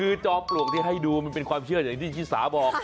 คือจอมปลวกที่ให้ดูมันเป็นความเชื่ออย่างที่ชิสาบอก